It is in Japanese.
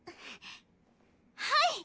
はい！